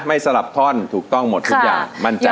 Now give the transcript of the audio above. ไม่สลับท่อนถูกต้องหมดทุกอย่างค่ะมั่นใจได้